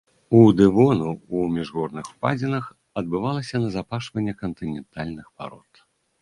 У дэвону ў міжгорных упадзінах адбывалася назапашванне кантынентальных парод.